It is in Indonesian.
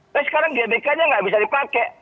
nah sekarang gbk nya tidak bisa dipakai